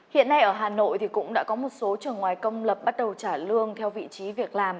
hiện nay ở hà nội cũng đã có một số trường ngoài công lập bắt đầu trả lương theo vị trí việc làm